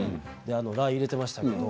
ラー油を入れていましたけれど